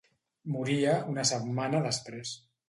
Moria una setmana després.